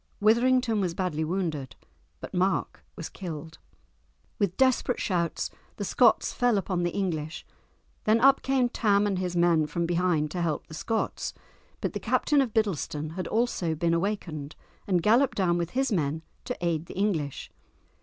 Withrington was badly wounded, but Mark was killed. With desperate shouts the Scots fell upon the English; then up came Tam and his men from behind to help the Scots, but the Captain of Biddleston had also been awakened, and galloped down with his men to aid the English.